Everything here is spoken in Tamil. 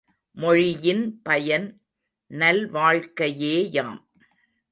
மொழியின் பயன் நல்வாழ்க்கையேயாம்.